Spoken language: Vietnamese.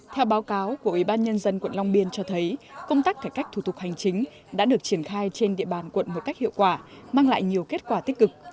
theo báo cáo của ubnd quận long biên cho thấy công tác cải cách thủ tục hành chính đã được triển khai trên địa bàn quận một cách hiệu quả mang lại nhiều kết quả tích cực